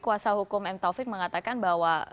kuasa hukum m taufik mengatakan bahwa